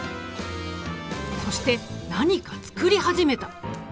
そして何か作り始めた。